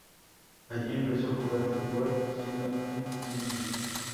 Allí empezó a jugar fútbol siendo un niño.